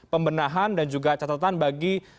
pembenahan dan juga catatan bagi